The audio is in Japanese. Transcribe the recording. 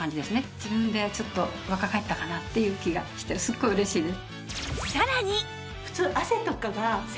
自分でちょっと若返ったかなっていう気がしてすっごい嬉しいです。